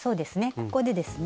ここでですね